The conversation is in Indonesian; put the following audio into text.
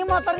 ya udah kang